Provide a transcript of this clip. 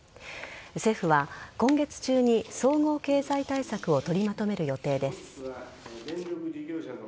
政府は今月中に総合経済対策を取りまとめる予定です。